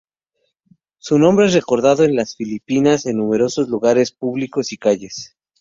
Su nombre es recordado en las Filipinas en numerosos lugares públicos y calles.